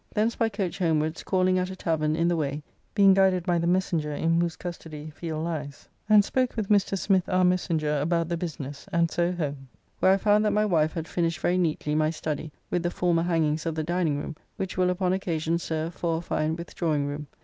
Thence by coach homewards, calling at a tavern in the way (being guided by the messenger in whose custody Field lies), and spoke with Mr. Smith our messenger about the business, and so home, where I found that my wife had finished very neatly my study with the former hangings of the diningroom, which will upon occasion serve for a fine withdrawing room.